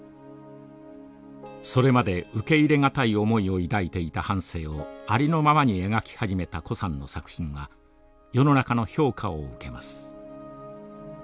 それまで受け入れ難い思いを抱いていた半生をありのままに描き始めた高さんの作品は世の中の評価を受けます。